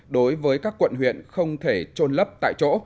đối với các quận huyện không thể trôn lấp tại chỗ